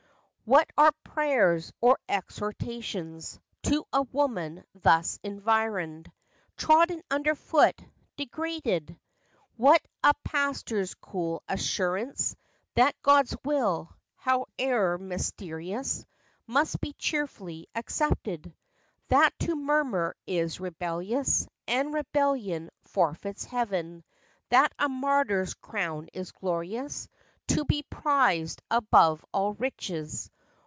What are prayers or exhortations To a woman thus environed, Trodden under foot, degraded ? What a pastor's cool assurance That God's will, howe'er mysterious, Must be cheerfully accepted; That to murmur is rebellious, And rebellion forfeits heaven; That a martyr's crown is glorious, To be prized above all riches